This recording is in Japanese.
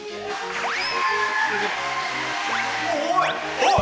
おい！